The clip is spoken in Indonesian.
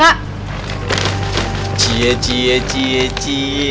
mas duluan nih